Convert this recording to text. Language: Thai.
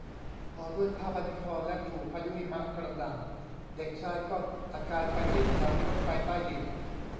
ห่อด้วยผ้าพันคอและถูกพายุหิมะกระหน่ำเด็กชายก็ตะกายไปที่สถานีรถไฟใต้ดิน